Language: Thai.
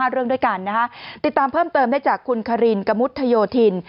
เรื่องด้วยกันนะคะติดตามเพิ่มเติมได้จากคุณคารินกะมุดโยธิน